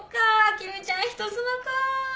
君ちゃん人妻か。